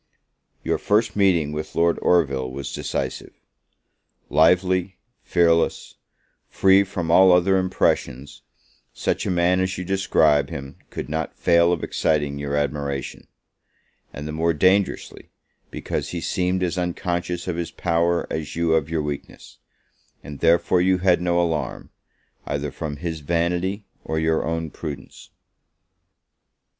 Your first meeting with Lord Orville was decisive. Lively, fearless, free from all other impressions, such a man as you describe him could not fail of exciting your admiration; and the more dangerously, because he seemed as unconscious of his power as you of your weakness; and therefore you had no alarm, either from his vanity of your own prudence.